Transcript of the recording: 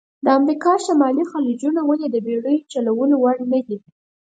د امریکا شمالي خلیجونه ولې د بېړیو چلول وړ نه دي؟